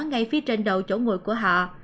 ngay phía trên đầu chỗ ngồi của họ